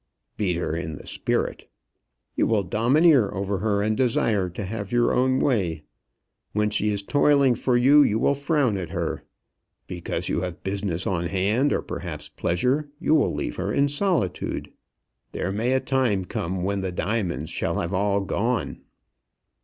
"Beat her in the spirit. You will domineer over her, and desire to have your own way. When she is toiling for you, you will frown at her. Because you have business on hand, or perhaps pleasure, you will leave her in solitude. There may a time come when the diamonds shall have all gone."